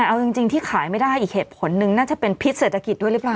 เอาจริงที่ขายไม่ได้อีกเหตุผลหนึ่งน่าจะเป็นพิษเศรษฐกิจด้วยหรือเปล่า